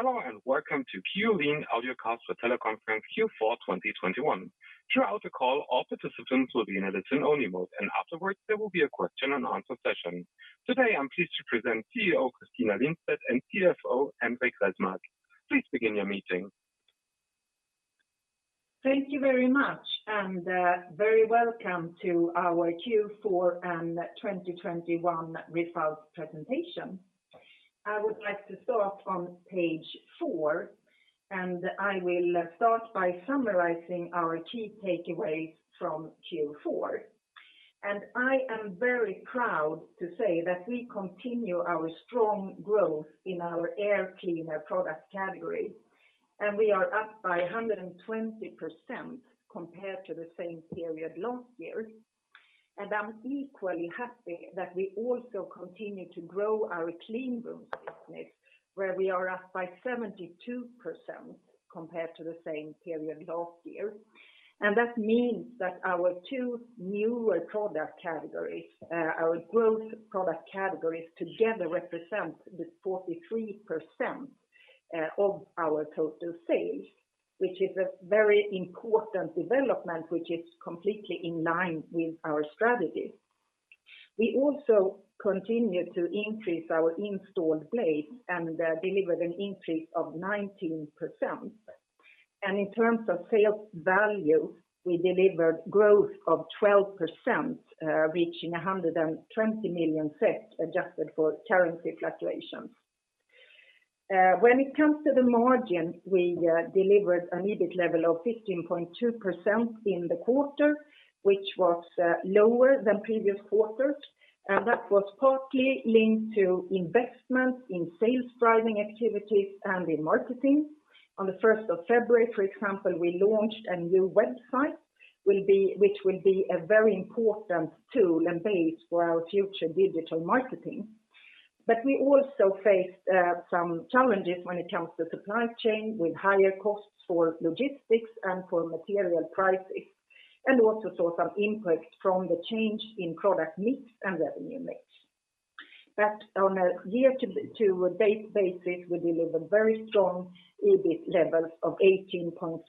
Hello and welcome to QleanAir Audiocast for Teleconference Q4 2021. Throughout the call, all participants will be in a listen-only mode, and afterwards, there will be a question and answer session. Today, I'm pleased to present CEO Christina Lindstedt and CFO Henrik Resmark. Please begin your meeting. Thank you very much, and very welcome to our Q4 2021 results presentation. I would like to start on page four, and I will start by summarizing our key takeaways from Q4. I am very proud to say that we continue our strong growth in our Air Cleaner product category, and we are up by 120% compared to the same period last year. I'm equally happy that we also continue to grow our Cleanroom business, where we are up by 72% compared to the same period last year. That means that our two newer product categories, our growth product categories together represent the 43% of our total sales, which is a very important development, which is completely in line with our strategy. We also continue to increase our installed base and delivered an increase of 19%. In terms of sales value, we delivered growth of 12%, reaching 120 million, adjusted for currency fluctuations. When it comes to the margin, we delivered an EBIT level of 15.2% in the quarter, which was lower than previous quarters. That was partly linked to investment in sales-driving activities and in marketing. On the first of February, for example, we launched a new website, which will be a very important tool and base for our future digital marketing. We also faced some challenges when it comes to supply chain with higher costs for logistics and for material prices, and also saw some impact from the change in product mix and revenue mix. On a yearly basis, we delivered very strong EBIT levels of 18.5%.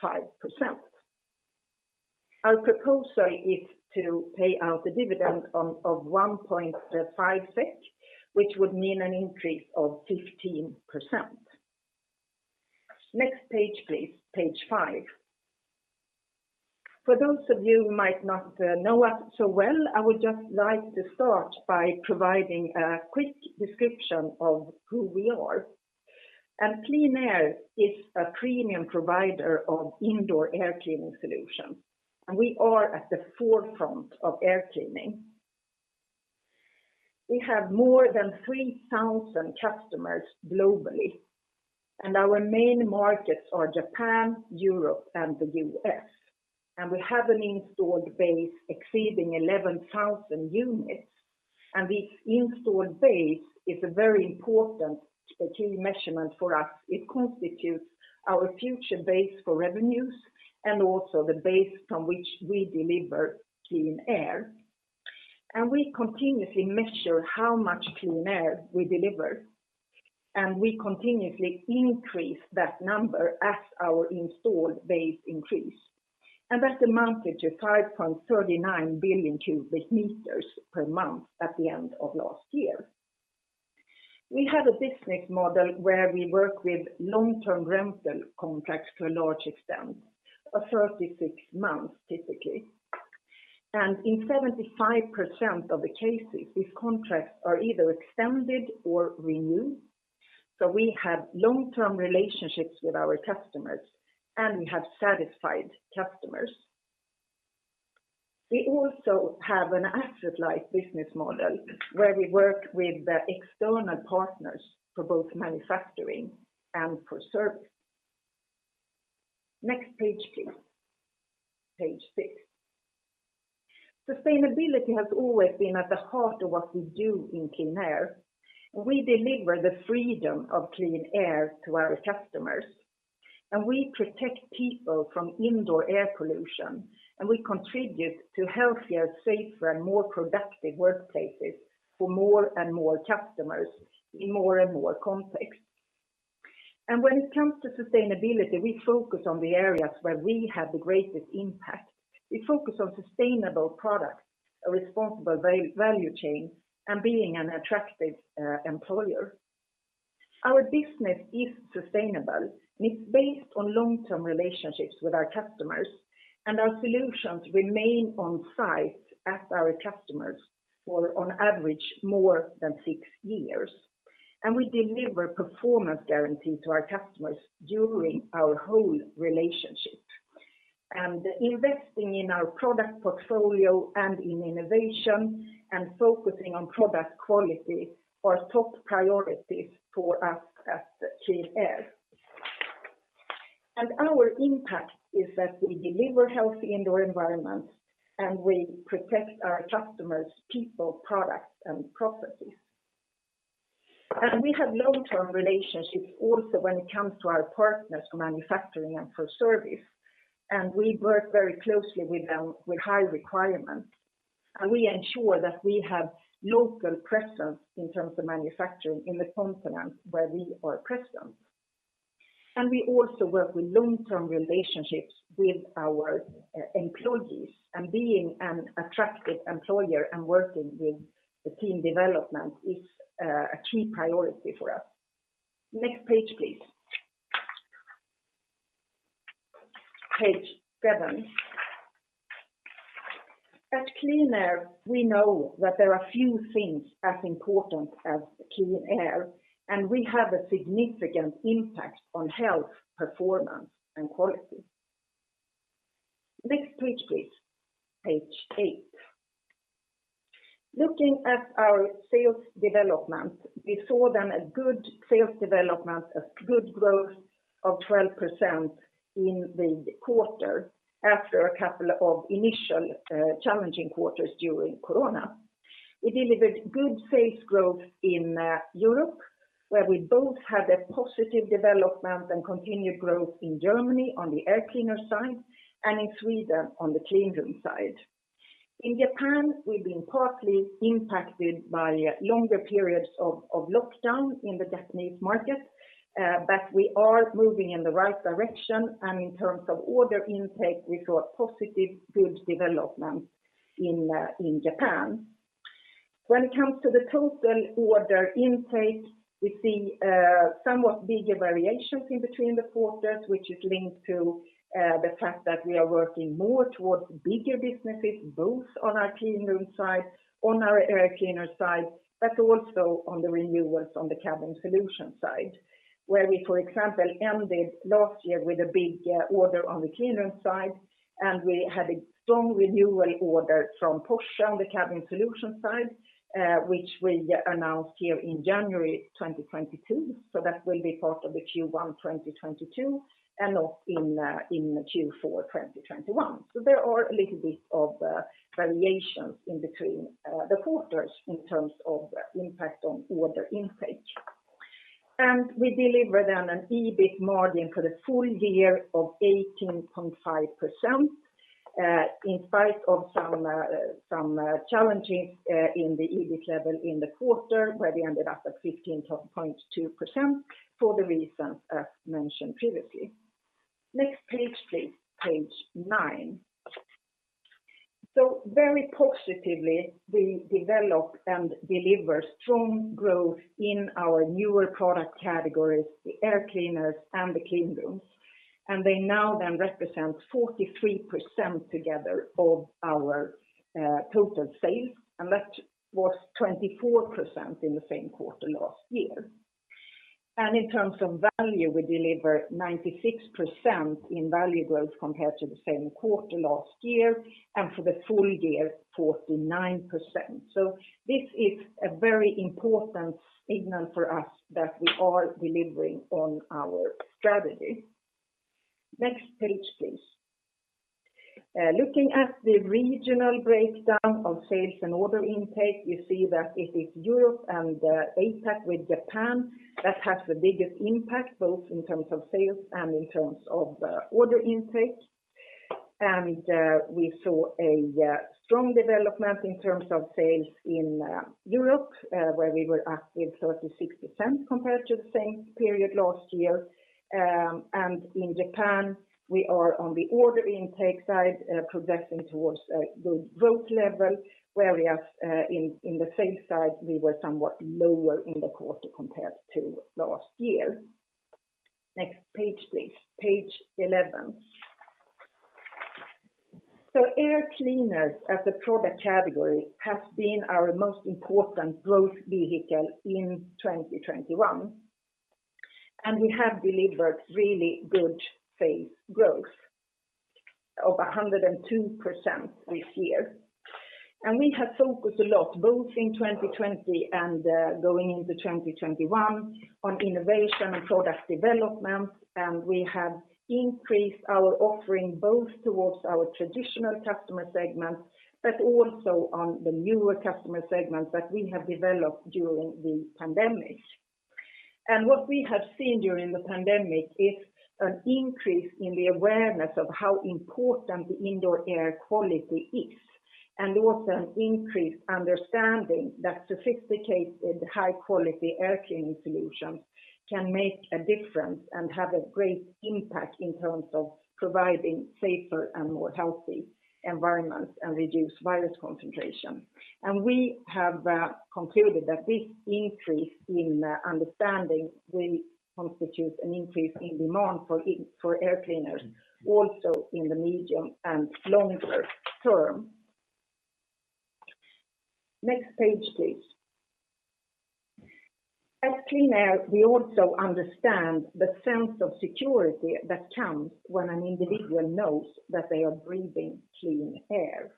Our proposal is to pay out a dividend of 1.5 SEK, which would mean an increase of 15%. Next page, please. Page five. For those of you who might not know us so well, I would just like to start by providing a quick description of who we are. QleanAir is a premium provider of indoor air cleaning solutions, and we are at the forefront of air cleaning. We have more than 3,000 customers globally, and our main markets are Japan, Europe, and the U.S. We have an installed base exceeding 11,000 units. This installed base is a very important key measurement for us. It constitutes our future base for revenues and also the base from which we deliver clean air. We continuously measure how much clean air we deliver, and we continuously increase that number as our installed base increase. That amounted to 5.39 billion cubic meters per month at the end of last year. We have a business model where we work with long-term rental contracts to a large extent, of 36 months typically. In seventy-five percent of the cases, these contracts are either extended or renewed. We have long-term relationships with our customers, and we have satisfied customers. We also have an asset-light business model where we work with external partners for both manufacturing and for service. Next page, please. Page six. Sustainability has always been at the heart of what we do in QleanAir. We deliver the freedom of clean air to our customers, and we protect people from indoor air pollution, and we contribute to healthier, safer, and more productive workplaces for more and more customers in more and more contexts. When it comes to sustainability, we focus on the areas where we have the greatest impact. We focus on sustainable products, a responsible value chain, and being an attractive employer. Our business is sustainable, and it's based on long-term relationships with our customers, and our solutions remain on site at our customers for on average more than six years. We deliver performance guarantee to our customers during our whole relationship. Investing in our product portfolio and in innovation and focusing on product quality are top priorities for us at QleanAir. Our impact is that we deliver healthy indoor environments, and we protect our customers' people, products, and processes. We have long-term relationships also when it comes to our partners for manufacturing and for service. We work very closely with them with high requirements. We ensure that we have local presence in terms of manufacturing in the continent where we are present. We also work with long-term relationships with our employees, and being an attractive employer and working with the team development is a key priority for us. Next page, please. Page seven. At QleanAir, we know that there are few things as important as the clean air, and we have a significant impact on health, performance, and quality. Next page, please. Page eight. Looking at our sales development, we saw then a good sales development, a good growth of 12% in the quarter after a couple of initial challenging quarters during Corona. We delivered good sales growth in Europe, where we both had a positive development and continued growth in Germany on the air cleaner side and in Sweden on the clean room side. In Japan, we've been partly impacted by longer periods of lockdown in the Japanese market, but we are moving in the right direction. In terms of order intake, we saw a positive good development in Japan. When it comes to the total order intake, we see somewhat bigger variations in between the quarters, which is linked to the fact that we are working more towards bigger businesses, both on our Cleanroom side, on our Air Cleaner side, but also on the renewals on the Cabin Solution side, where we, for example, ended last year with a big order on the Cleanroom side, and we had a strong renewal order from Porsche on the Cabin Solution side, which we announced here in January 2022. That will be part of the Q1 2022 and not in the Q4 2021. There are a little bit of variations in between the quarters in terms of impact on order intake. We delivered then an EBIT margin for the full year of 18.5%, in spite of some challenges in the EBIT level in the quarter, where we ended up at 15.2% for the reasons as mentioned previously. Next page, please. Page nine. Very positively, we develop and deliver strong growth in our newer product categories, the air Cleaners and the Cleanrooms. They now then represent 43% together of our total sales, and that was 24% in the same quarter last year. In terms of value, we deliver 96% in value growth compared to the same quarter last year, and for the full year, 49%. This is a very important signal for us that we are delivering on our strategy. Next page, please. Looking at the regional breakdown of sales and order intake, you see that it is Europe and APAC with Japan that has the biggest impact, both in terms of sales and in terms of order intake. We saw a strong development in terms of sales in Europe, where we were up 36% compared to the same period last year. In Japan, we are on the order intake side progressing towards a growth level, whereas in the sales side, we were somewhat lower in the quarter compared to last year. Next page, please. Page 11. Air Cleaners as a product category has been our most important growth vehicle in 2021, and we have delivered really good sales growth of 102% this year. We have focused a lot, both in 2020 and going into 2021 on innovation and product development, and we have increased our offering both towards our traditional customer segments, but also on the newer customer segments that we have developed during the pandemic. What we have seen during the pandemic is an increase in the awareness of how important the indoor air quality is, and also an increased understanding that sophisticated high-quality air cleaning solutions can make a difference and have a great impact in terms of providing safer and more healthy environments and reduce virus concentration. We have concluded that this increase in understanding will constitute an increase in demand for air cleaners also in the medium and longer term. Next page, please. At QleanAir, we also understand the sense of security that comes when an individual knows that they are breathing clean air.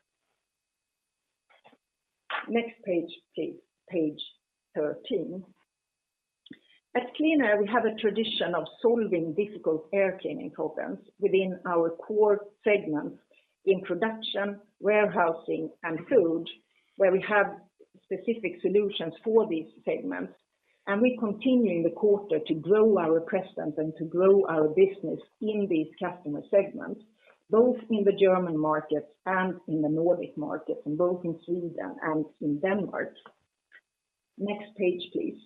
Next page, please. Page thirteen. At QleanAir, we have a tradition of solving difficult air cleaning problems within our core segments in production, warehousing, and food, where we have specific solutions for these segments. We continue in the quarter to grow our presence and to grow our business in these customer segments, both in the German markets and in the Nordic markets, and both in Sweden and in Denmark. Next page, please.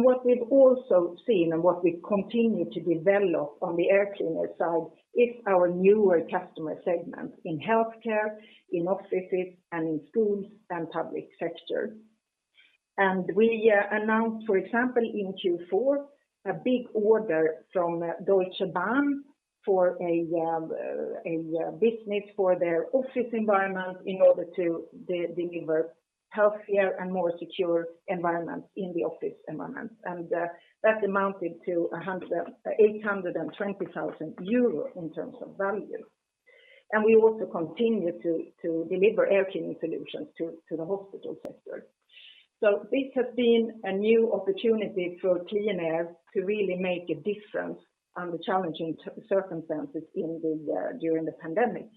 What we've also seen and what we continue to develop on the air cleaner side is our newer customer segment in healthcare, in offices, and in schools and public sector. We announced, for example, in Q4, a big order from Deutsche Bahn for a business for their office environment in order to deliver healthier and more secure environment in the office environment. That amounted to 820 thousand euros in terms of value. We also continue to deliver air cleaning solutions to the hospital sector. This has been a new opportunity for QleanAir to really make a difference in the challenging circumstances during the pandemic.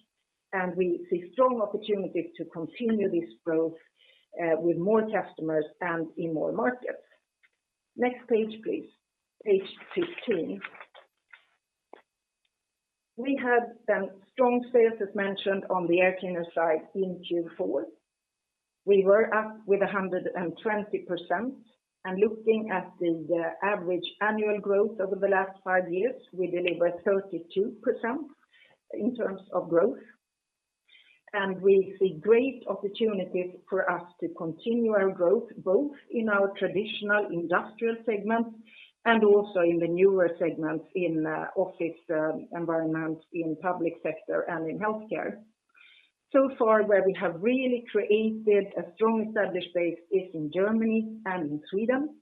We see strong opportunities to continue this growth with more customers and in more markets. Next page, please. Page 15. We had some strong sales, as mentioned, on the air cleaner side in Q4. We were up 120%. Looking at the average annual growth over the last five years, we delivered 32% in terms of growth. We see great opportunities for us to continue our growth, both in our traditional industrial segment and also in the newer segments in office environments, in public sector and in healthcare. So far, where we have really created a strong established base is in Germany and in Sweden.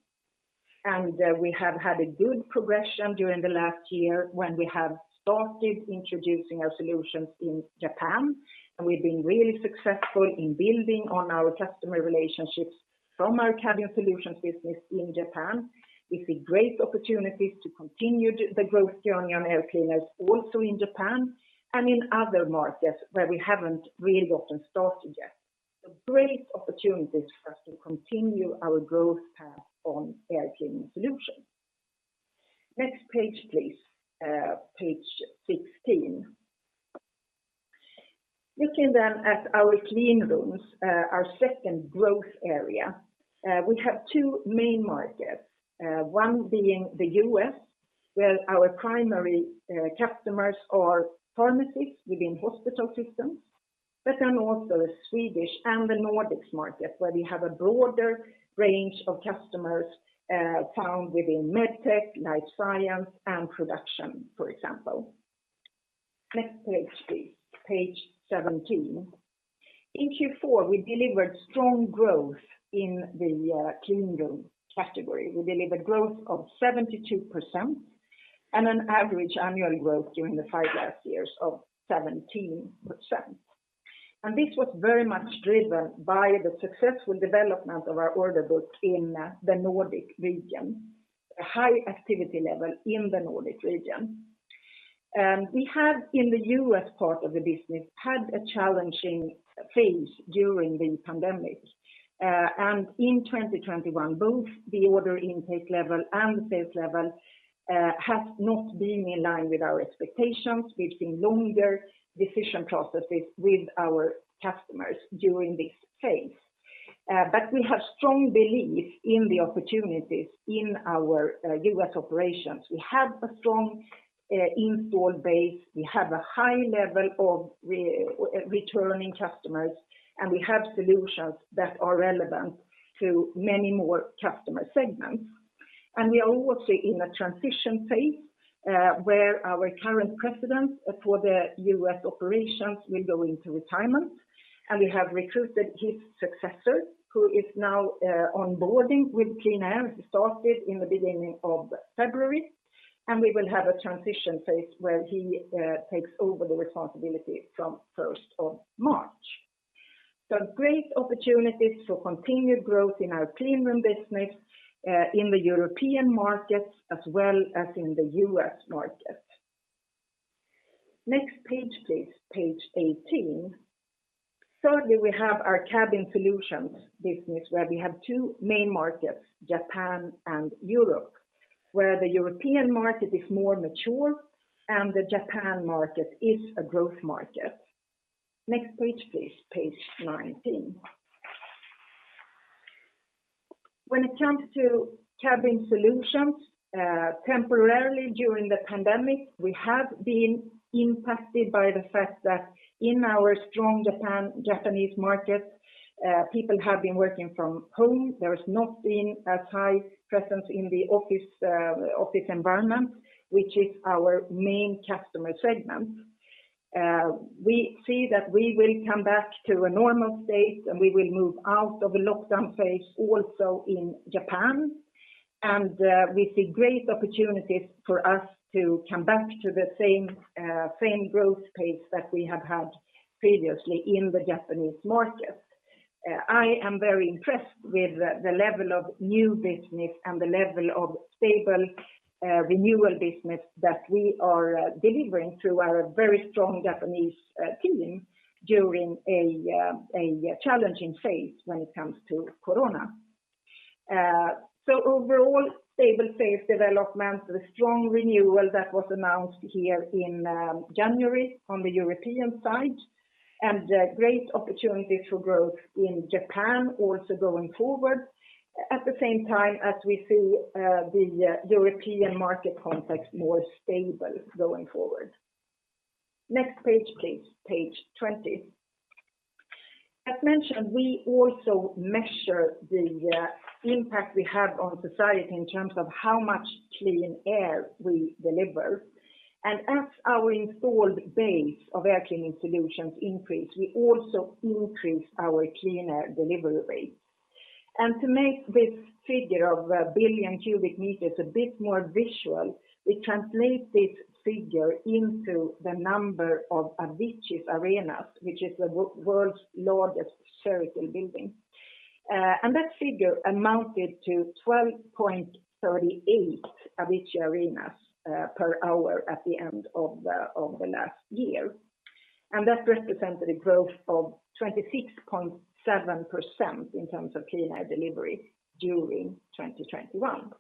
We have had a good progression during the last year when we have started introducing our solutions in Japan. We've been really successful in building on our customer relationships from our Cabin Solutions business in Japan. We see great opportunities to continue the growth journey on Air Cleaners also in Japan and in other markets where we haven't really gotten started yet. Great opportunities for us to continue our growth path on air cleaning solutions. Next page, please. Page 16. Looking then at our Cleanrooms, our second growth area, we have two main markets, one being the U.S., where our primary customers are pharmacies within hospital systems, but then also the Swedish and the Nordics market, where we have a broader range of customers, found within MedTech, Life Science, and Production, for example. Next page, please. Page 17. In Q4, we delivered strong growth in the Cleanrooms category. We delivered growth of 72% and an average annual growth during the five last years of 17%. This was very much driven by the successful development of our order book in the Nordic region, a high activity level in the Nordic region. We have, in the U.S. part of the business, had a challenging phase during the pandemic. In 2021, both the order intake level and sales level have not been in line with our expectations. We've seen longer decision processes with our customers during this phase. We have strong belief in the opportunities in our U.S. operations. We have a strong installed base, we have a high level of returning customers, and we have solutions that are relevant to many more customer segments. We are also in a transition phase where our current president for the U.S. operations will go into retirement. We have recruited his successor, who is now onboarding with QleanAir. He started in the beginning of February, and we will have a transition phase where he takes over the responsibility from first of March. Great opportunities for continued growth in our Cleanroom business in the European markets as well as in the U.S. market. Next page, please. Page 18. Thirdly, we have our Cabin Solutions business where we have two main markets, Japan and Europe, where the European market is more mature and the Japanese market is a growth market. Next page, please. Page 19. When it comes to Cabin Solutions, temporarily during the pandemic, we have been impacted by the fact that in our strong Japanese market, people have been working from home. There has not been as high presence in the office environment, which is our main customer segment. We see that we will come back to a normal state, and we will move out of a lockdown phase also in Japan. We see great opportunities for us to come back to the same growth pace that we have had previously in the Japanese market. I am very impressed with the level of new business and the level of stable renewal business that we are delivering through our very strong Japanese team during a challenging phase when it comes to Corona. Overall stable sales development with strong renewal that was announced here in January on the European side, and great opportunities for growth in Japan also going forward, at the same time as we see the European market context more stable going forward. Next page, please. Page 20. As mentioned, we also measure the impact we have on society in terms of how much clean air we deliver. As our installed base of our cleaning solutions increase, we also increase our clean air delivery rate. To make this figure of a billion cubic meters a bit more visual, we translate this figure into the number of Avicii arenas, which is the world's largest spherical building. That figure amounted to 12.38 Avicii arenas per hour at the end of the last year. That represented a growth of 26.7% in terms of clean air delivery during 2021.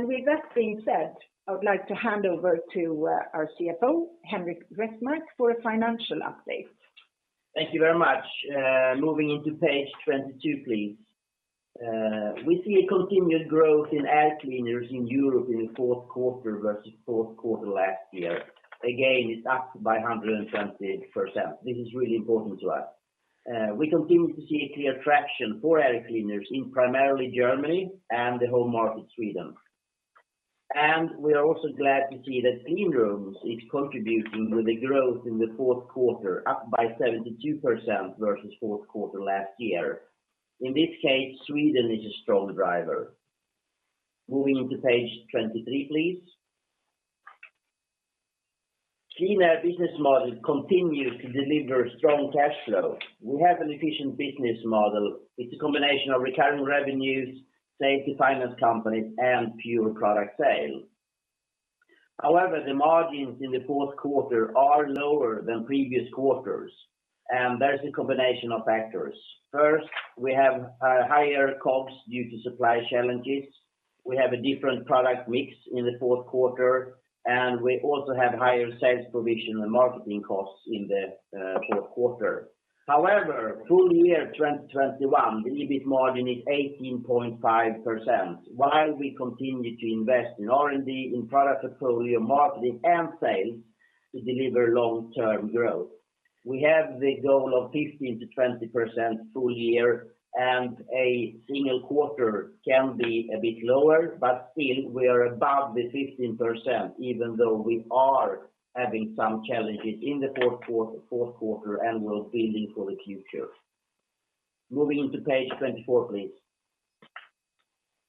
With that being said, I would like to hand over to our CFO, Henrik Resmark, for a financial update. Thank you very much. Moving into page 22, please. We see a continued growth in Air Cleaners in Europe in the fourth quarter versus fourth quarter last year. Again, it's up by 120%. This is really important to us. We continue to see a clear traction for Air Cleaners in primarily Germany and the home market, Sweden. We are also glad to see that Cleanrooms is contributing to the growth in the fourth quarter, up by 72% versus fourth quarter last year. In this case, Sweden is a strong driver. Moving into page 23, please. QleanAir business model continues to deliver strong cash flow. We have an efficient business model. It's a combination of recurring revenues, sales to finance companies, and pure product sale. However, the margins in the fourth quarter are lower than previous quarters, and there's a combination of factors. First, we have higher costs due to supply challenges. We have a different product mix in the fourth quarter, and we also have higher sales provision and marketing costs in the fourth quarter. However, full year 2021, the EBIT margin is 18.5%, while we continue to invest in R&D, in product portfolio, marketing, and sales to deliver long-term growth. We have the goal of 15%-20% full year, and a single quarter can be a bit lower, but still we are above the 15%, even though we are having some challenges in the fourth quarter and we're building for the future. Moving into page 24, please.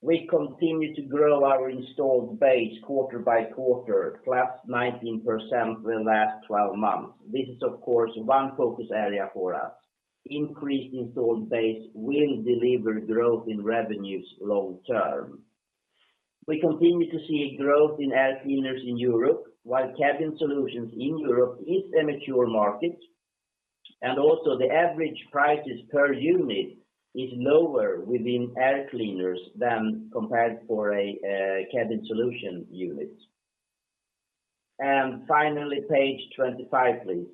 We continue to grow our installed base quarter by quarter, +19% the last 12 months. This is of course one focus area for us. Increased installed base will deliver growth in revenues long term. We continue to see a growth in Air Cleaners in Europe, while Cabin Solutions in Europe is a mature market. Also the average prices per unit is lower within Air Cleaners than compared for a, cabin solution unit. Finally, page 25, please.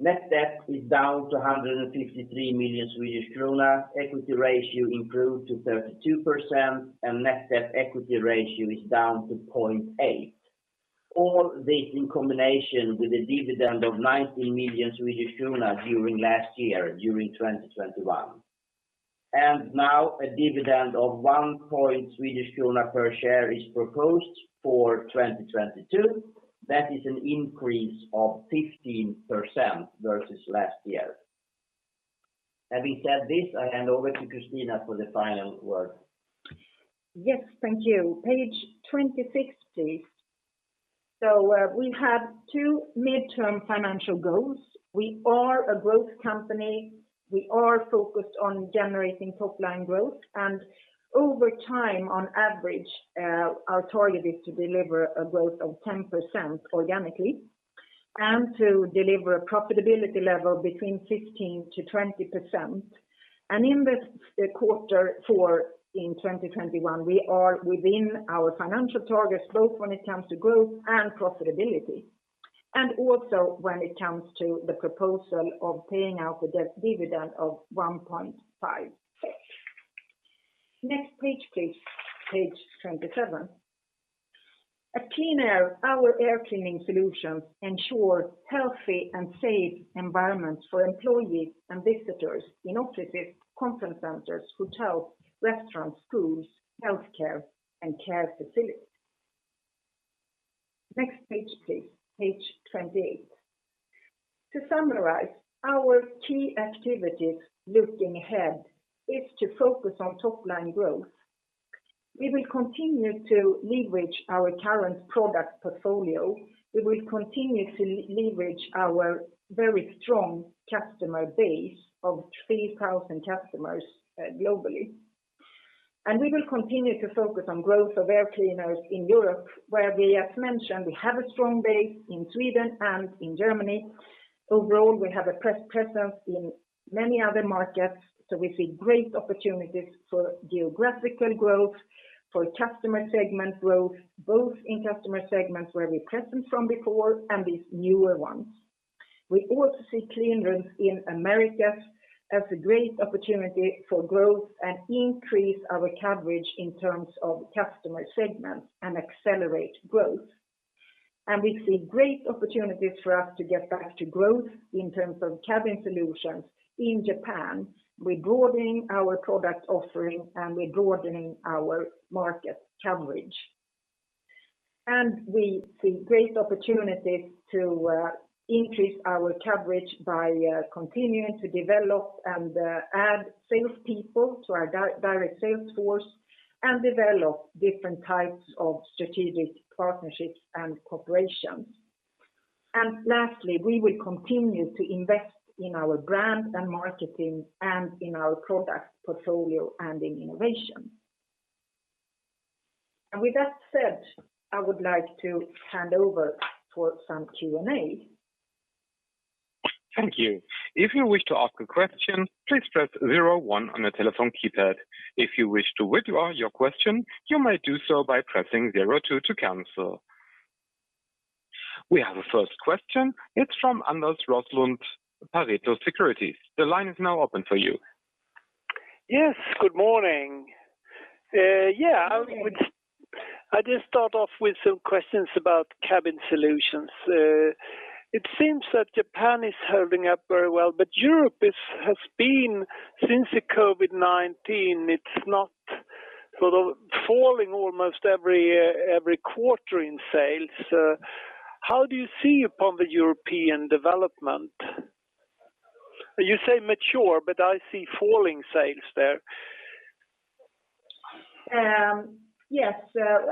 Net debt is down to 153 million Swedish krona, equity ratio improved to 32%, and net debt/equity ratio is down to 0.8. All this in combination with a dividend of 90 million Swedish kronor during last year, during 2021. Now a dividend of 1.0 SEK per share is proposed for 2022. That is an increase of 15% versus last year. Having said this, I hand over to Christina for the final word. Yes, thank you. Page 26, please. We have two midterm financial goals. We are a growth company. We are focused on generating top line growth. Over time, on average, our target is to deliver a growth of 10% organically and to deliver a profitability level between 15%-20%. In quarter four in 2021, we are within our financial targets, both when it comes to growth and profitability, and also when it comes to the proposal of paying out the proposed dividend of 1.56. Next page, please. Page 27. At QleanAir, our air cleaning solutions ensure healthy and safe environments for employees and visitors in offices, conference centers, hotels, restaurants, schools, healthcare, and care facilities. Next page, please. Page 28. To summarize, our key activities looking ahead is to focus on top line growth. We will continue to leverage our current product portfolio. We will continue to leverage our very strong customer base of 3,000 customers globally. We will continue to focus on growth of Air Cleaners in Europe, where we as mentioned, we have a strong base in Sweden and in Germany. Overall, we have a presence in many other markets, so we see great opportunities for geographical growth, for customer segment growth, both in customer segments where we're present from before and these newer ones. We also see Cleanrooms in Americas as a great opportunity for growth and increase our coverage in terms of customer segments and accelerate growth. We see great opportunities for us to get back to growth in terms of Cabin Solutions in Japan, with broadening our product offering and with broadening our market coverage. We see great opportunities to increase our coverage by continuing to develop and add salespeople to our direct sales force and develop different types of strategic partnerships and corporations. Lastly, we will continue to invest in our brand and marketing and in our product portfolio and in innovation. With that said, I would like to hand over for some Q&A. Thank you. If you wish to ask a question, please press zero one on your telephone keypad. If you wish to withdraw your question, you may do so by pressing zero two to cancel. We have a first question. It's from Anders Roslund, Pareto Securities. The line is now open for you. Yes, good morning. I just start off with some questions about Cabin Solutions. It seems that Japan is holding up very well, but Europe has been since the COVID-19. It's been sort of falling almost every quarter in sales. How do you see the European development? You say mature, but I see falling sales there. Yes.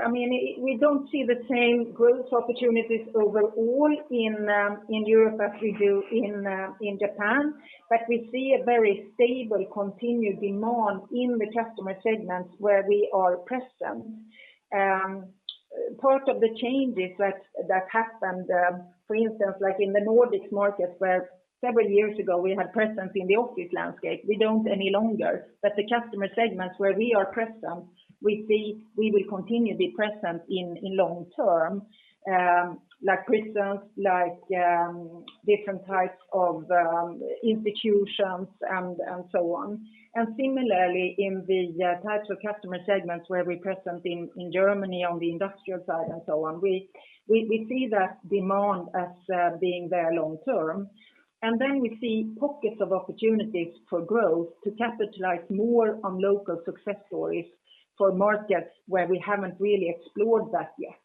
I mean, we don't see the same growth opportunities overall in Europe as we do in Japan, but we see a very stable continued demand in the customer segments where we are present. Part of the changes that happened, for instance, like in the Nordics market, where several years ago we had presence in the office landscape, we don't any longer. The customer segments where we are present, we see we will continue to be present in long term, like prisons, like different types of institutions and so on. Similarly, in the types of customer segments where we're present in Germany on the industrial side and so on, we see that demand as being there long term. Then we see pockets of opportunities for growth to capitalize more on local success stories for markets where we haven't really explored that yet.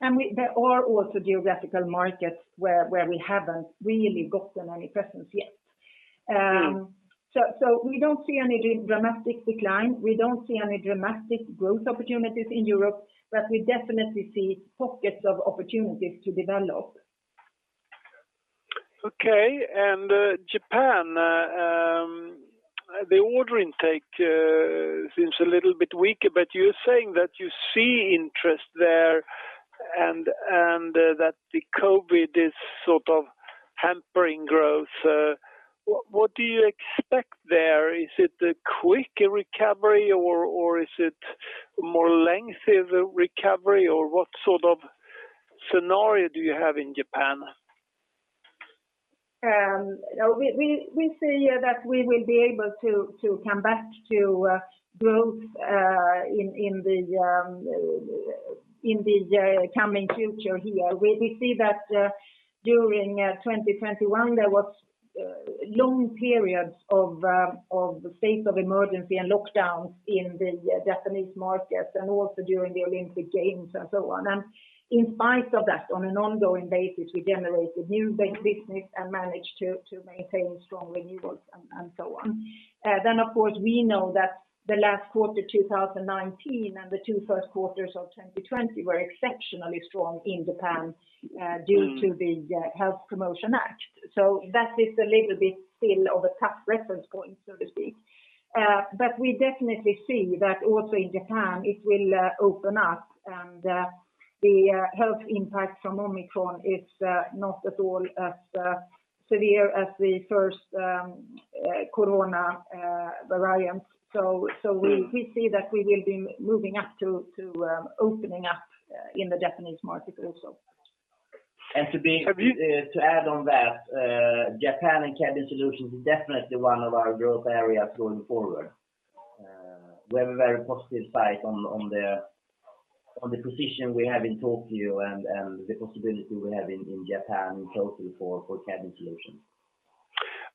There are also geographical markets where we haven't really gotten any presence yet. We don't see any dramatic decline. We don't see any dramatic growth opportunities in Europe, but we definitely see pockets of opportunities to develop. Okay. Japan, the order intake seems a little bit weaker, but you're saying that you see interest there and that the COVID is sort of hampering growth. What do you expect there? Is it a quick recovery or is it more lengthy of a recovery or what sort of scenario do you have in Japan? We see that we will be able to come back to growth in the coming future here. We see that during 2021, there was long periods of state of emergency and lockdowns in the Japanese market and also during the Olympic Games and so on. In spite of that, on an ongoing basis, we generated new business and managed to maintain strong renewals and so on. Of course, we know that the last quarter 2019 and the two first quarters of 2020 were exceptionally strong in Japan. Mm. due to the Health Promotion Act. That is a little bit still of a tough reference point, so to speak. We definitely see that also in Japan, it will open up and the health impact from Omicron is not at all as severe as the first corona variant. Mm. We see that we will be moving up to opening up in the Japanese market also. And to be- Have you- To add on that, Japan and Cabin Solutions is definitely one of our growth areas going forward. We have a very positive sight on the position we have in Tokyo and the possibility we have in Japan in total for Cabin Solutions.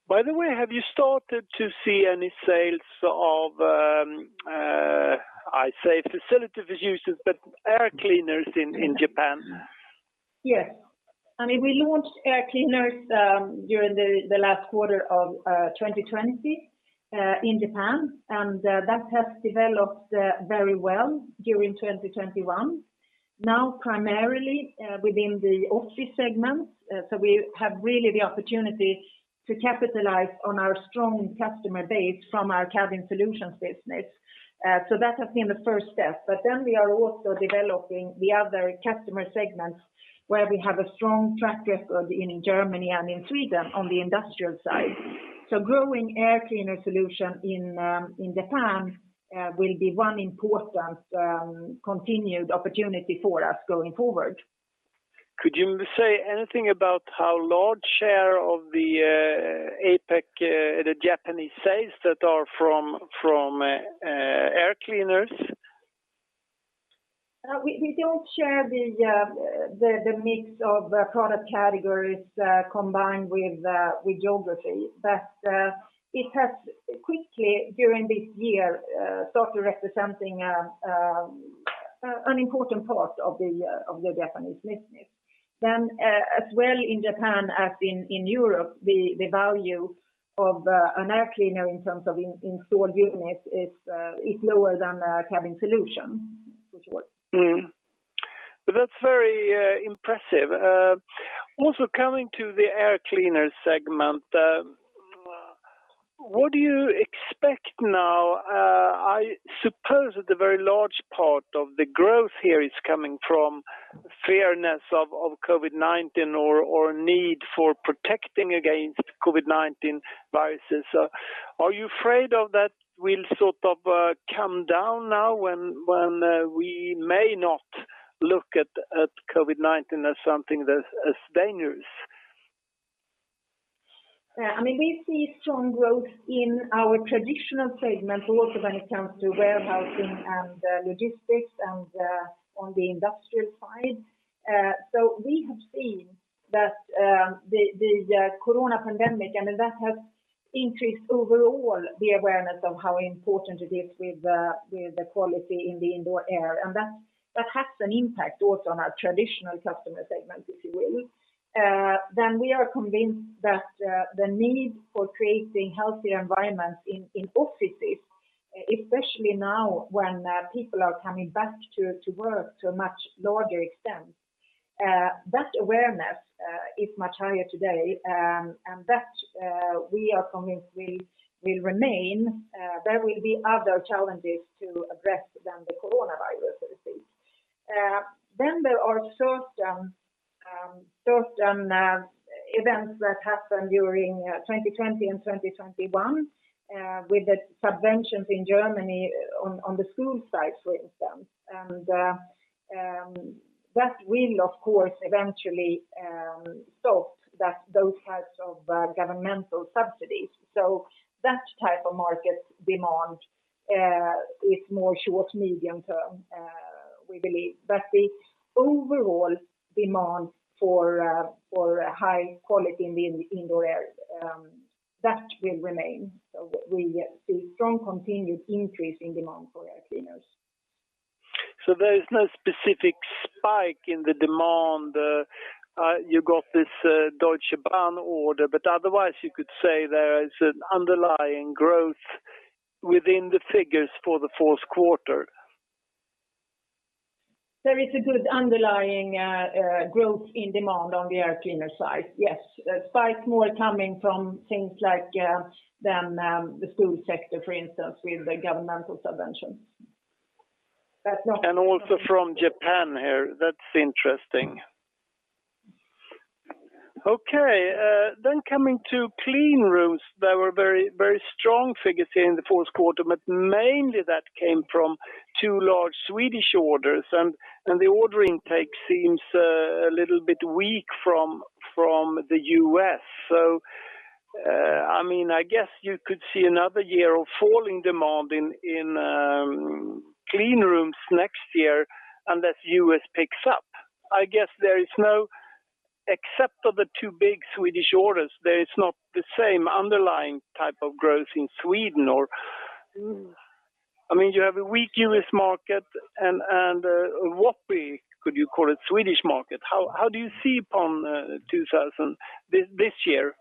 By the way, have you started to see any sales of air cleaners in Japan? Yes. I mean, we launched air cleaners during the last quarter of 2020 in Japan, and that has developed very well during 2021, now primarily within the office segments. We have really the opportunity to capitalize on our strong customer base from our Cabin Solutions business. That has been the first step. We are also developing the other customer segments where we have a strong track record in Germany and in Sweden on the industrial side. Growing air cleaner solution in Japan will be one important continued opportunity for us going forward. Could you say anything about how large share of the APAC the Japanese sales that are from Air Cleaners? We don't share the mix of the product categories combined with geography. It has quickly during this year started representing an important part of the Japanese business. As well in Japan as in Europe, the value of an Air Cleaner in terms of installed units is lower than a Cabin Solution, which was- That's very impressive. Also, coming to the air cleaner segment, what do you expect now? I suppose that the very large part of the growth here is coming from fears of COVID-19 or need for protecting against COVID-19 viruses. Are you afraid that will sort of come down now when we may not look at COVID-19 as something that's as dangerous? Yeah, I mean, we see strong growth in our traditional segment also when it comes to warehousing and logistics and, on the industrial side. We have seen that the corona pandemic, I mean, that has increased overall the awareness of how important it is with the quality in the indoor air. That has an impact also on our traditional customer segments, if you will. We are convinced that the need for creating healthier environments in offices, especially now when people are coming back to work to a much larger extent, that awareness is much higher today. That we are convinced will remain. There will be other challenges to address than the coronavirus, at least. There are certain events that happened during 2020 and 2021 with the subventions in Germany on the school side, for instance. That will of course eventually stop those types of governmental subsidies. That type of market demand is more short-medium term, we believe. The overall demand for high quality in the indoor air that will remain. We see strong continued increase in demand for air cleaners. There is no specific spike in the demand. You got this Deutsche Bahn order, but otherwise you could say there is an underlying growth within the figures for the fourth quarter. There is a good underlying growth in demand on the air cleaner side. Yes. Spikes more coming from things like the school sector, for instance, with the governmental subvention. That's not. Also from Japan here. That's interesting. Okay. Coming to Cleanrooms, there were very, very strong figures here in the fourth quarter, but mainly that came from two large Swedish orders and the order intake seems a little bit weak from the U.S. I mean, I guess you could see another year of falling demand in Cleanrooms next year unless U.S. picks up. I guess there is no, except for the two big Swedish orders, there is not the same underlying type of growth in Sweden or I mean, you have a weak U.S. market and a wobbly, could you call it, Swedish market. How do you see 2022, this year?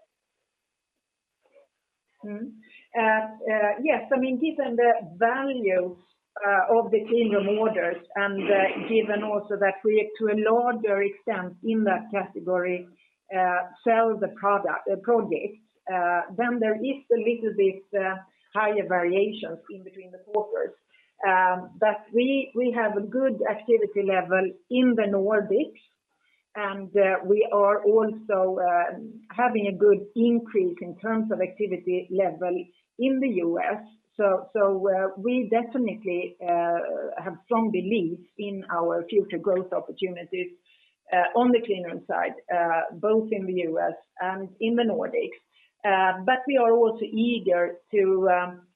Yes. I mean, given the values of the Cleanrooms orders and given also that we to a larger extent in that category sell the product projects, then there is a little bit higher variations in between the quarters. We have a good activity level in the Nordics, and we are also having a good increase in terms of activity level in the U.S. We definitely have strong belief in our future growth opportunities on the Cleanrooms side both in the U.S. and in the Nordics. We are also eager to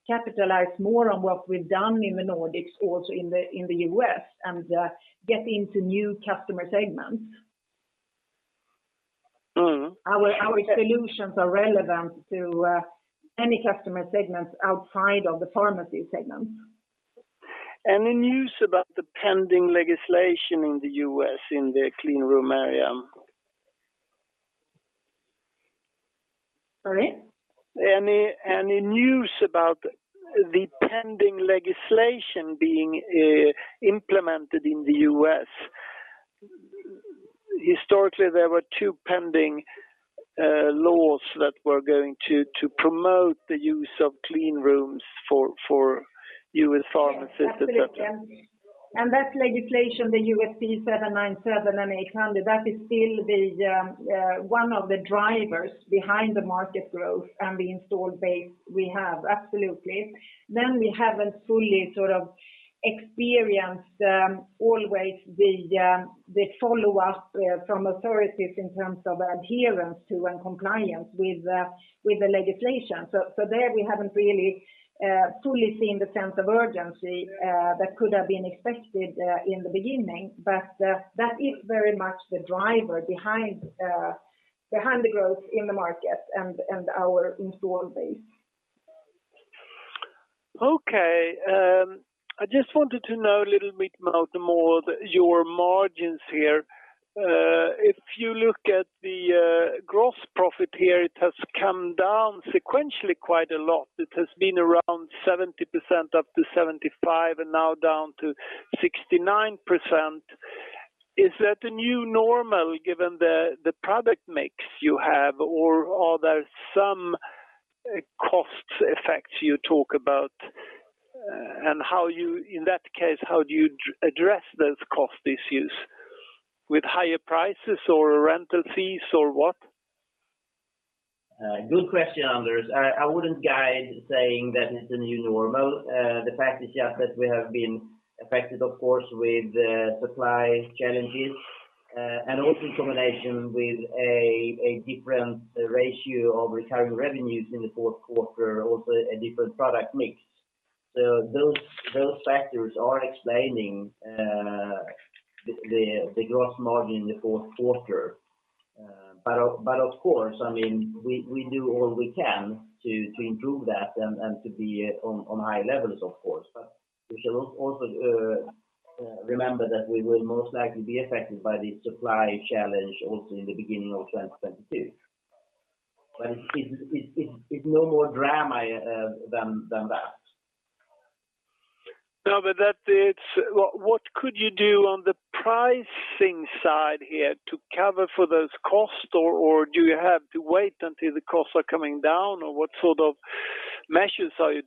capitalize more on what we've done in the Nordics also in the U.S. and get into new customer segments. Mm-hmm. Our solutions are relevant to any customer segments outside of the pharmacy segments. Any news about the pending legislation in the U.S. in the cleanroom area? Sorry? Any news about the pending legislation being implemented in the U.S.? Historically, there were two pending laws that were going to promote the use of clean rooms for U.S. pharmacists, et cetera. Yes, absolutely. That legislation, the USP 797 and 800, that is still one of the drivers behind the market growth and the installed base we have. Absolutely. We haven't fully sort of experienced always the follow-up from authorities in terms of adherence to and compliance with the legislation. There, we haven't really fully seen the sense of urgency that could have been expected in the beginning. That is very much the driver behind the growth in the market and our installed base. Okay. I just wanted to know a little bit more about your margins here. If you look at the gross profit here, it has come down sequentially quite a lot. It has been around 70% up to 75%, and now down to 69%. Is that a new normal given the product mix you have, or are there some cost effects you talk about? And how you... In that case, how do you address those cost issues? With higher prices or rental fees, or what? Good question, Anders. I wouldn't guide saying that it's a new normal. The fact is just that we have been affected, of course, with supply challenges and also in combination with a different ratio of recurring revenues in the fourth quarter, also a different product mix. Those factors are explaining the gross margin in the fourth quarter. Of course, I mean, we do all we can to improve that and to be on high levels, of course. We shall also remember that we will most likely be affected by the supply challenge also in the beginning of 2022. It's no more drama than that. No, what could you do on the pricing side here to cover for those costs? Or do you have to wait until the costs are coming down? Or what sort of measures are you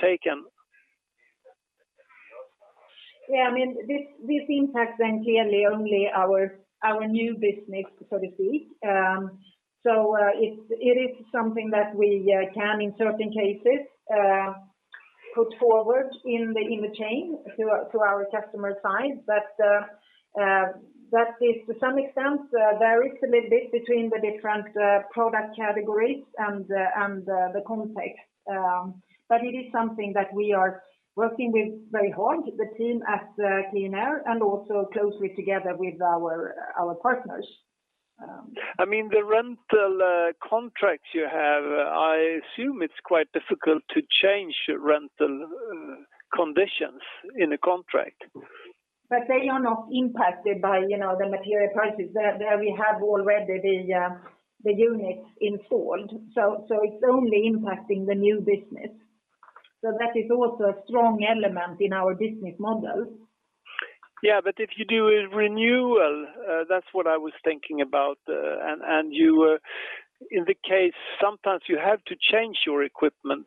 taking? Yeah, I mean, this impacts then clearly only our new business, so to speak. It is something that we can in certain cases put forward in the chain to our customer side. That varies to some extent a little bit between the different product categories and the context. It is something that we are working very hard with the team at QleanAir and also closely together with our partners. I mean, the rental contracts you have, I assume it's quite difficult to change rental conditions in a contract. They are not impacted by, you know, the material prices. There we have already the units installed. It's only impacting the new business. That is also a strong element in our business model. Yeah. If you do a renewal, that's what I was thinking about. In that case, sometimes you have to change your equipment,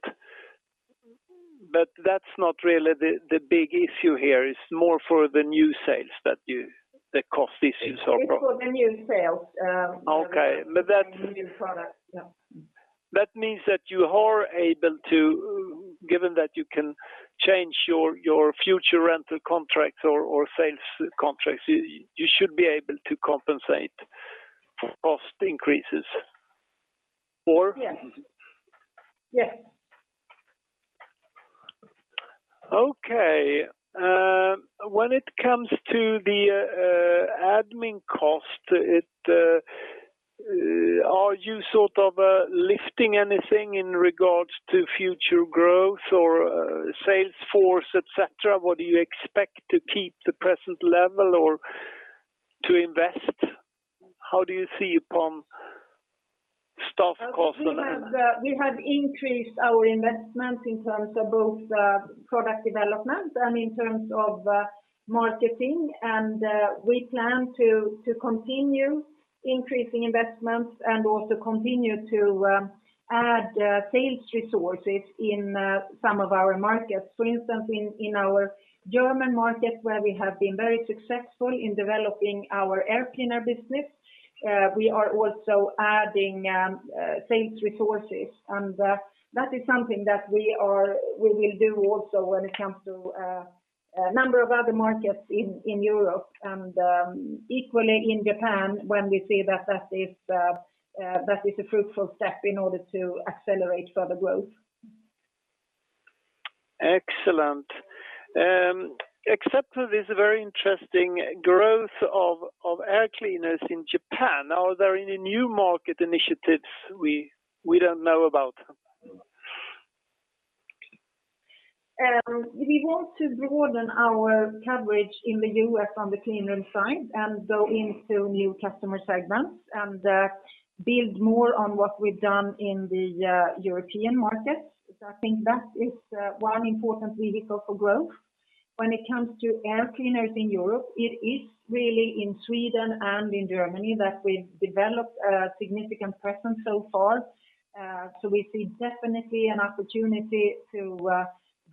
but that's not really the big issue here. It's more for the new sales that you. The cost issues are It's for the new sales, you know. Okay. The new product. Yeah. That means that you are able to, given that you can change your future rental contracts or sales contracts, you should be able to compensate cost increases or- Yes. Yes. Okay. When it comes to the admin cost, are you sort of lifting anything in regards to future growth or sales force, et cetera? What do you expect to keep the present level or to invest? How do you see upon staff costs and- We have increased our investment in terms of both product development and in terms of marketing. We plan to continue increasing investments and also continue to add sales resources in some of our markets. For instance, in our German market, where we have been very successful in developing our air cleaner business, we are also adding sales resources. That is something that we will do also when it comes to a number of other markets in Europe, and equally in Japan when we see that is a fruitful step in order to accelerate further growth. Excellent. Except for this very interesting growth of Air Cleaners in Japan, are there any new market initiatives we don't know about? We want to broaden our coverage in the U.S. on the clean room side and go into new customer segments and build more on what we've done in the European markets. I think that is one important vehicle for growth. When it comes to air cleaners in Europe, it is really in Sweden and in Germany that we've developed a significant presence so far. We see definitely an opportunity to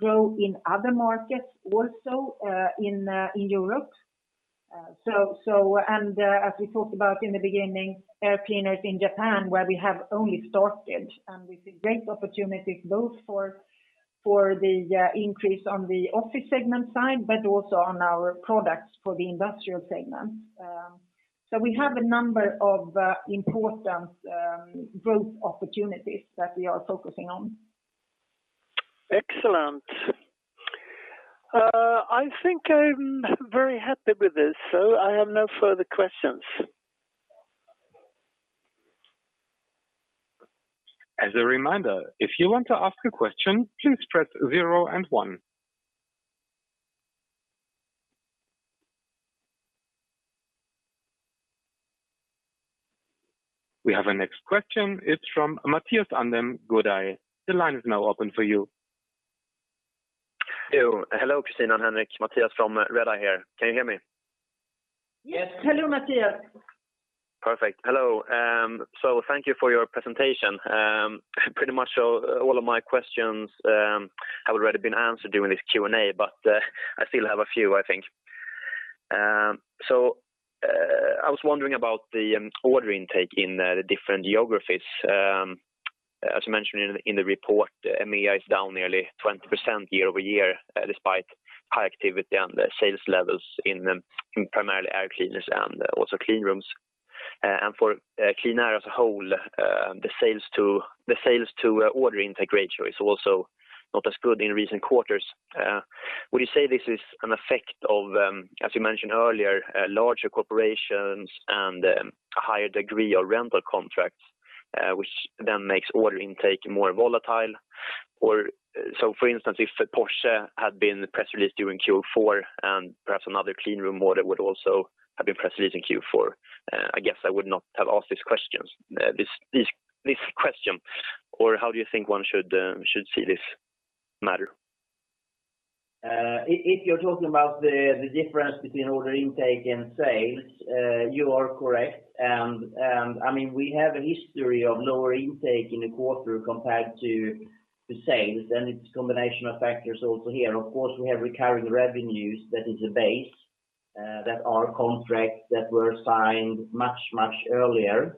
grow in other markets also in Europe and as we talked about in the beginning, air cleaners in Japan, where we have only started, and we see great opportunities both for the increase on the office segment side, but also on our products for the industrial segment. We have a number of important growth opportunities that we are focusing on. Excellent. I think I'm very happy with this, so I have no further questions. As a reminder, if you want to ask a question, please press zero and one. We have our next question. It's from Mathias Lundberg, Redeye. The line is now open for you. Yo. Hello, Christina and Henrik. Matthias from Redeye here. Can you hear me? Yes. Hello, Matthias. Perfect. Hello. Thank you for your presentation. Pretty much all of my questions have already been answered during this Q&A, but I still have a few, I think. I was wondering about the order intake in the different geographies. As you mentioned in the report, EMEA is down nearly 20% year-over-year, despite high activity and the sales levels in primarily Air Cleaners and also Cleanrooms. For QleanAir as a whole, the sales to order intake ratio is also not as good in recent quarters. Would you say this is an effect of, as you mentioned earlier, larger corporations and a higher degree of rental contracts, which then makes order intake more volatile? For instance, if Porsche had been press released during Q4 and perhaps another cleanroom order would also have been press released in Q4, I guess I would not have asked these questions, this question. How do you think one should see this matter? If you're talking about the difference between order intake and sales, you are correct. I mean, we have a hi story of lower intake in the quarter compared to sales, and it's a combination of factors also here. Of course, we have recurring revenues that is a base, that are contracts that were signed much earlier,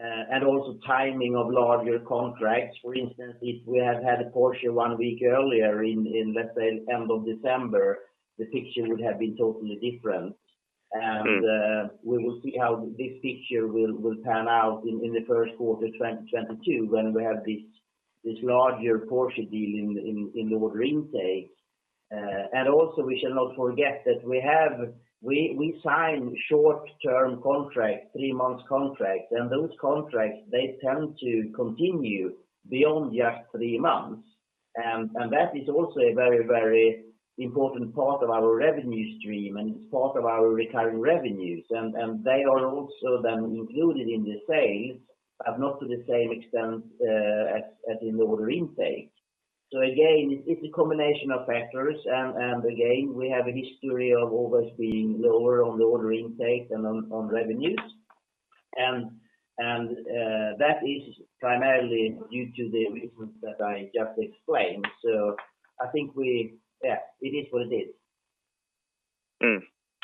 and also timing of larger contracts. For instance, if we had had Porsche one week earlier in, let's say, end of December, the picture would have been totally different. Mm. We will see how this picture will pan out in the first quarter 2022 when we have this larger Porsche deal in the order intake. Also we shall not forget that we sign short-term contract, three months contract, and those contracts, they tend to continue beyond just three months. That is also a very important part of our revenue stream, and it's part of our recurring revenues. They are also then included in the sales, but not to the same extent as in the order intake. Again, it's a combination of factors, and again, we have a history of always being lower on the order intake than on revenues. That is primarily due to the reasons that I just explained. I think we... Yeah, it is what it is.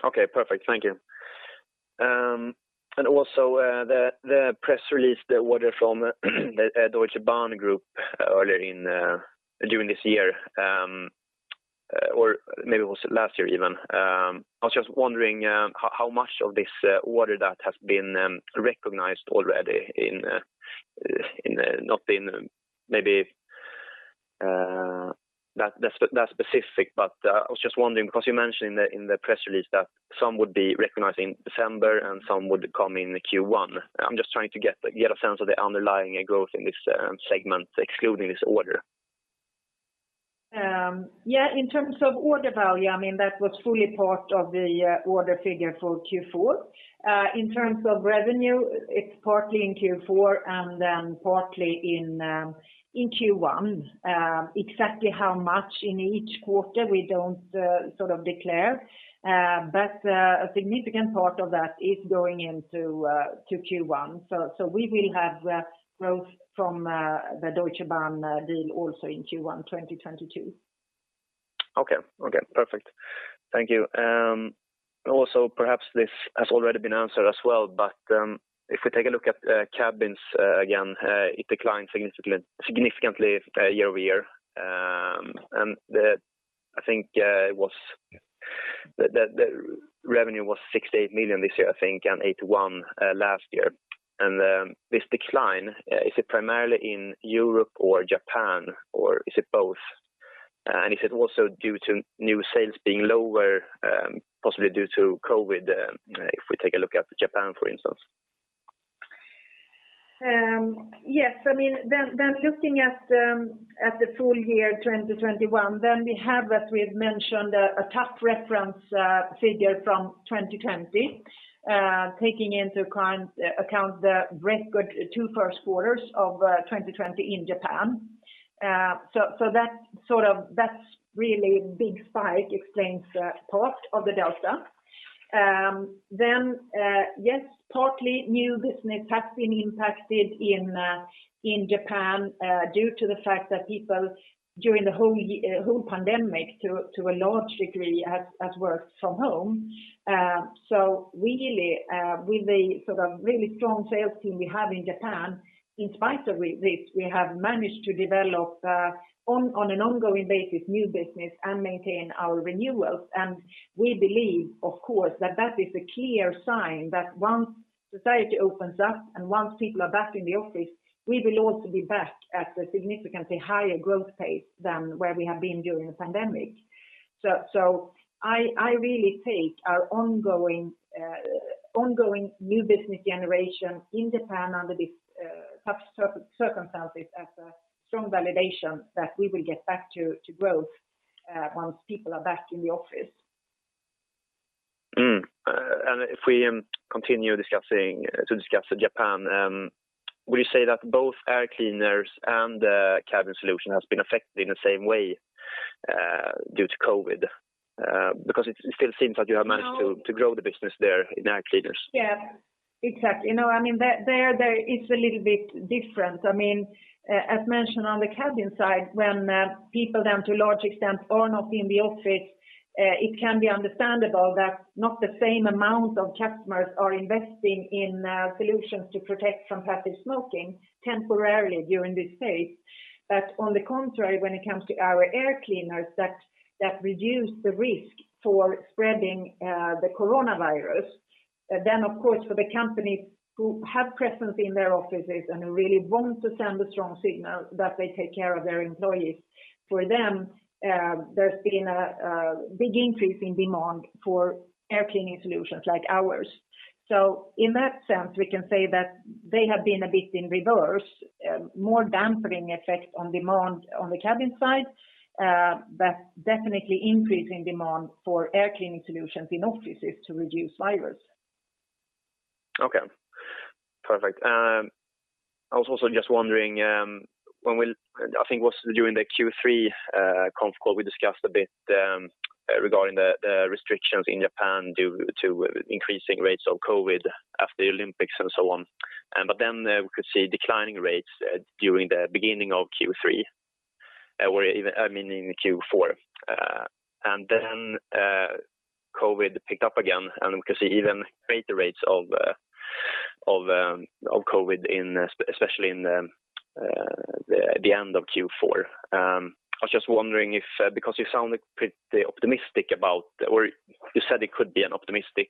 Okay. Perfect. Thank you. Also, the press release, the order from the Deutsche Bahn group earlier during this year, or maybe it was last year even. I was just wondering how much of this order that has been recognized already. That's specific, but I was just wondering because you mentioned in the press release that some would be recognized in December and some would come in Q1. I'm just trying to get a sense of the underlying growth in this segment excluding this order. Yeah, in terms of order value, I mean, that was fully part of the order figure for Q4. In terms of revenue, it's partly in Q4 and then partly in Q1. Exactly how much in each quarter, we don't sort of declare. A significant part of that is going into Q1. We will have that growth from the Deutsche Bahn deal also in Q1 2022. Okay. Perfect. Thank you. Also perhaps this has already been answered as well, but if we take a look at cabins again, it declined significantly year-over-year. I think the revenue was 68 million this year, I think, and 81 million last year. This decline, is it primarily in Europe or Japan, or is it both? Is it also due to new sales being lower, possibly due to COVID, if we take a look at Japan, for instance? Yes, I mean, looking at the full year 2021, we have, as we've mentioned, a tough reference figure from 2020, taking into account the record first two quarters of 2020 in Japan. That's the really big spike explains part of the delta. Yes, partly new business has been impacted in Japan due to the fact that people during the whole pandemic to a large degree has worked from home. Really, with the sort of really strong sales team we have in Japan, in spite of this, we have managed to develop on an ongoing basis new business and maintain our renewals. We believe, of course, that that is a clear sign that once society opens up and once people are back in the office, we will also be back at a significantly higher growth pace than where we have been during the pandemic. I really take our ongoing new business generation in Japan under this tough circumstances as a strong validation that we will get back to growth once people are back in the office. If we continue discussing Japan, would you say that both air cleaners and cabin solution has been affected in the same way due to COVID? Because it still seems like you have managed to- No To grow the business there in Air Cleaners. Yeah. Exactly. No, I mean, there it's a little bit different. I mean, as mentioned on the cabin side, when people then to a large extent are not in the office, it can be understandable that not the same amount of customers are investing in solutions to protect from passive smoking temporarily during this phase. On the contrary, when it comes to our Air Cleaners that reduce the risk for spreading the coronavirus, then of course for the companies who have presence in their offices and really want to send a strong signal that they take care of their employees, for them, there's been a big increase in demand for air cleaning solutions like ours. In that sense, we can say that they have been a bit in reverse, more dampening effect on demand on the cabin side, but definitely increasing demand for air cleaning solutions in offices to reduce virus. Okay. Perfect. I was also just wondering, I think it was during the Q3 conf call we discussed a bit regarding the restrictions in Japan due to increasing rates of COVID after the Olympics and so on. We could see declining rates during the beginning of Q3, meaning Q4. COVID picked up again, and we could see even greater rates of COVID especially in the end of Q4. I was just wondering if, because you sounded pretty optimistic about or you said it could be an optimistic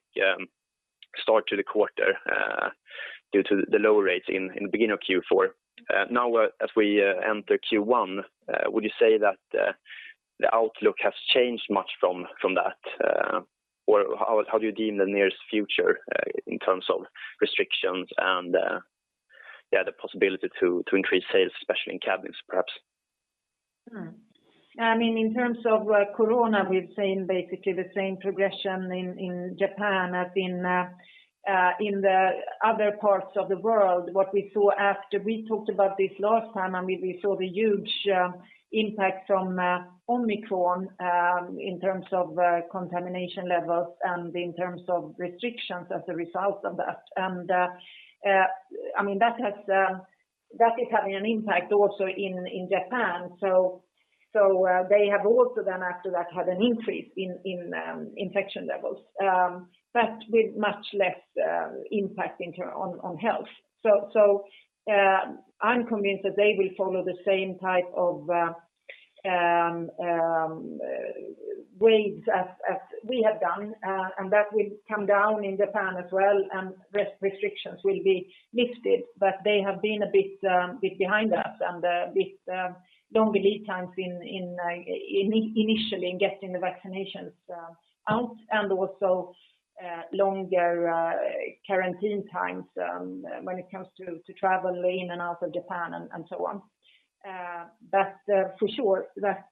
start to the quarter due to the low rates in the beginning of Q4. Now, as we enter Q1, would you say that the outlook has changed much from that? Or how do you deem the nearest future in terms of restrictions and yeah, the possibility to increase sales, especially in cabins, perhaps? I mean, in terms of corona, we've seen basically the same progression in Japan as in the other parts of the world. What we saw after we talked about this last time, I mean, we saw the huge impact from Omicron in terms of contamination levels and in terms of restrictions as a result of that. I mean, that is having an impact also in Japan. They have also then after that had an increase in infection levels but with much less impact on health. I'm convinced that they will follow the same type of waves as we have done, and that will come down in Japan as well, and restrictions will be lifted. They have been a bit behind us and with longer lead times initially in getting the vaccinations out and also longer quarantine times when it comes to travel in and out of Japan and so on. For sure that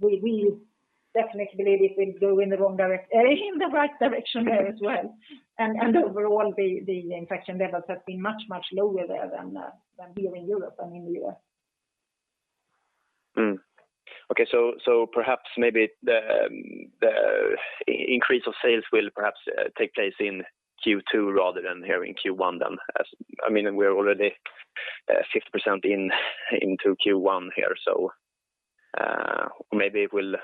we definitely believe it will go in the right direction there as well. Overall, the infection levels have been much lower there than here in Europe and in the US. Perhaps maybe the increase of sales will perhaps take place in Q2 rather than here in Q1 then, as I mean, we're already 50% into Q1 here. Maybe it will.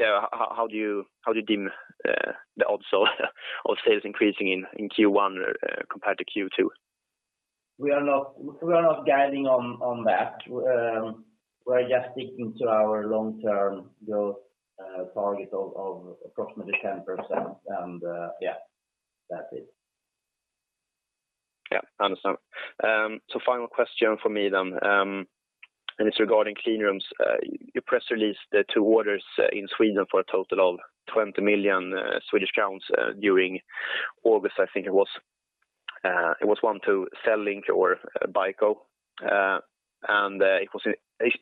How do you deem the odds of sales increasing in Q1 compared to Q2? We are not guiding on that. We're just sticking to our long-term growth target of approximately 10%. Yeah, that's it. Yeah. I understand. Final question for me then. It's regarding Cleanrooms. Your press release, the two orders in Sweden for a total of 20 million Swedish crowns during August, I think it was. It was one to CELLINK or BICO.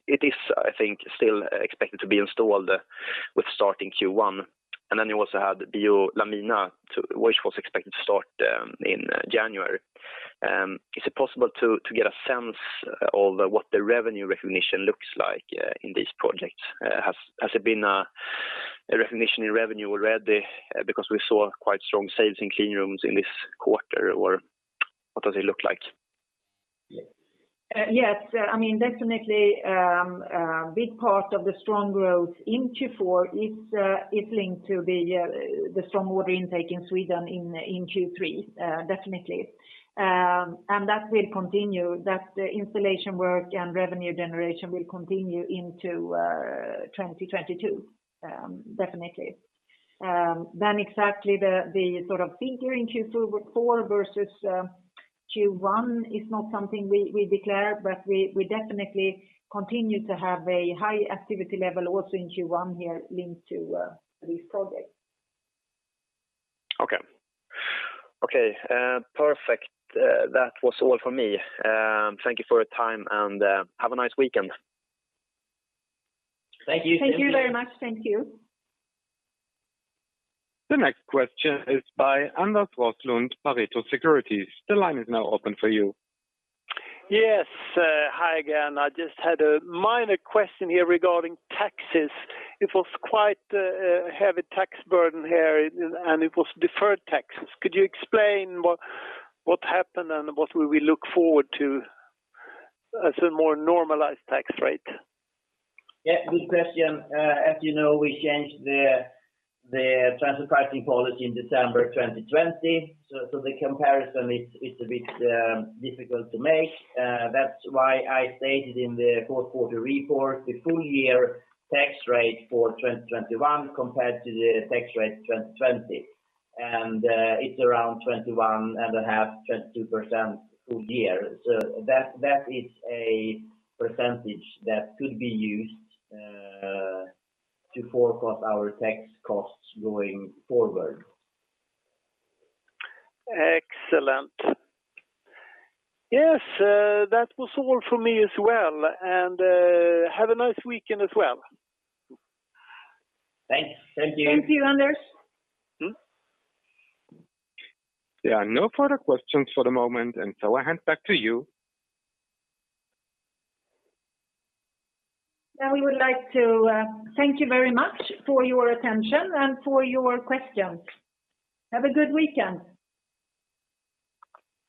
It is, I think, still expected to be installed starting Q1. You also had the BioLamina, which was expected to start in January. Is it possible to get a sense of what the revenue recognition looks like in this project? Has there been a recognition in revenue already because we saw quite strong sales in Cleanrooms in this quarter? Or what does it look like? Yes. I mean, definitely, big part of the strong growth in Q4 is linked to the strong order intake in Sweden in Q3, definitely. That will continue. That installation work and revenue generation will continue into 2022, definitely. Exactly the sort of figure in Q4 versus Q1 is not something we declare, but we definitely continue to have a high activity level also in Q1 here linked to these projects. Okay. Okay, perfect. That was all for me. Thank you for your time and have a nice weekend. Thank you. Thank you very much. Thank you. The next question is by Anders Roslund, Pareto Securities. The line is now open for you. Yes. Hi again. I just had a minor question here regarding taxes. It was quite a heavy tax burden here, and it was deferred taxes. Could you explain what happened and what we will look forward to as a more normalized tax rate? Yeah, good question. As you know, we changed the transfer pricing policy in December 2020. The comparison is a bit difficult to make. That's why I stated in the fourth quarter report the full year tax rate for 2021 compared to the tax rate 2020. It's around 21.5%-22% full year. That is a percentage that could be used to forecast our tax costs going forward. Excellent. Yes, that was all for me as well. Have a nice weekend as well. Thanks. Thank you. Thank you, Anders. Mm-hmm. There are no further questions for the moment, and so I hand back to you. Now we would like to thank you very much for your attention and for your questions. Have a good weekend.